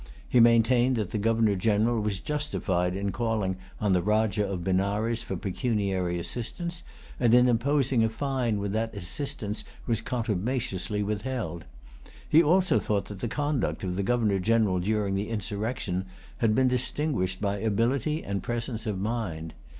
He maintained that the Governor General was justified in calling on the Rajah of Benares for pecuniary assistance, and in imposing a fine when that assistance was contumaciously withheld. He also thought that the conduct of the Governor General during the insurrection had been distinguished by ability and presence of mind.